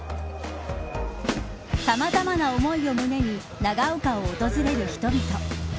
さまざまな思いを胸に長岡を訪れる人々。